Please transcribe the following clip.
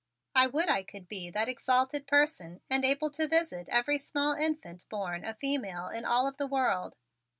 I would I could be that exalted person and able to visit every small infant born a female in all of the world.